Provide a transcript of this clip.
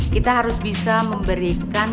kita harus bisa memberikan